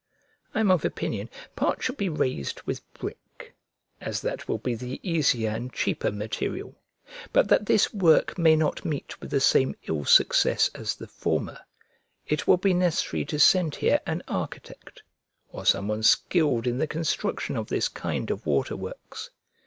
I am of opinion part should be raised with brick, as that will be the easier and cheaper material. But that this work may not meet with the same ill success as the former, it will be necessary to send here an architect, or some one skilled in the construction of this kind of waterworks.